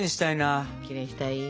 きれいにしたい？